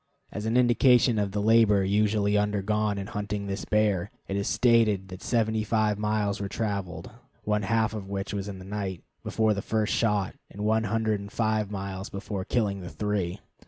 As an indication of the labor usually undergone in hunting this bear, it is stated that seventy five miles were traveled (one half of which was in the night) before the first shot, and one hundred and five miles before killing the three.